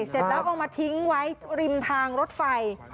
เสร็จแล้วเอามาทิ้งไว้ริมทางรถไฟ